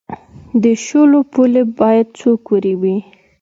د شولو پولې باید څوک وریبي؟